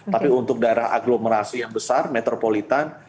tapi untuk daerah agglomerasi yang besar metropolitan